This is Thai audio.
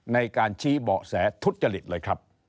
ในการชี้เบาะแสทุจริตเลยครับ